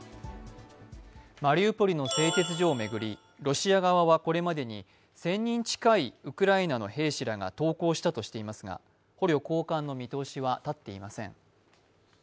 マリウポリの製鉄所を巡り、ロシア側はこれまでに１０００人近いウクライナの兵士らが投降したとしていますが、捕虜交換の見通しは立っていません。